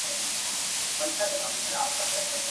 د هر ښار په جنایت کي به شامل وو .